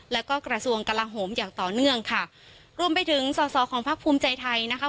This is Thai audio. แล้วก็กระทรวงกลาโหมอย่างต่อเนื่องค่ะรวมไปถึงสอสอของพักภูมิใจไทยนะคะ